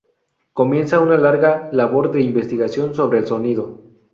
Comienza una larga labor de investigación sobre el sonido.